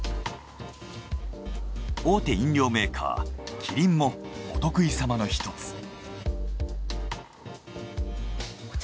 大手飲料メーカーキリンもお得意様の一つ。